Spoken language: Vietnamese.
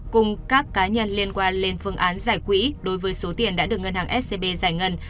cùng các cá nhân liên quan lên phương án giải quỹ đối với số tiền đã được ngân hàng scb giải ngân